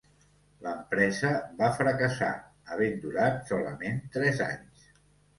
L'empresa va fracassar, havent durat solament tres anys.